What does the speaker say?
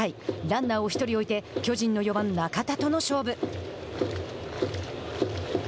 ランナーを１人置いて巨人の４番中田との勝負。